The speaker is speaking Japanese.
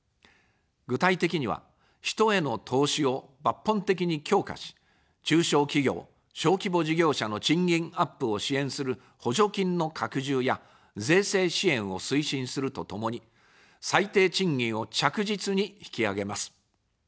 具体的には、人への投資を抜本的に強化し、中小企業・小規模事業者の賃金アップを支援する補助金の拡充や税制支援を推進するとともに、最低賃金を着実に引き上げます。